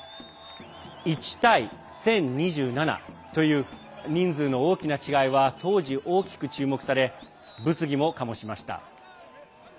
１対１０２７という人数の大きな違いは当時、大きく注目され物議も醸しました。